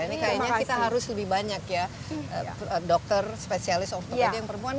ini kayaknya kita harus lebih banyak ya dokter spesialis dokter tadi yang perempuan